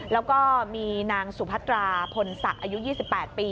แล้วก็มีนางสุพัตราพลศักดิ์อายุ๒๘ปี